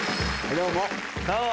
どうも！